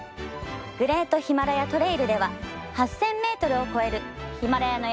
「グレートヒマラヤトレイル」では８，０００ｍを超えるヒマラヤの山々を望み